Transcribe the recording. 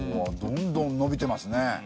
どんどんのびてますね。